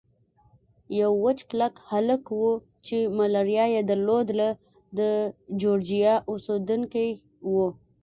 یو وچ کلک هلک وو چې ملاریا یې درلوده، د جورجیا اوسېدونکی و.